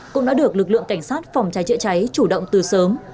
cũng đã được lực lượng cảnh sát phòng cháy chữa cháy chủ động từ sớm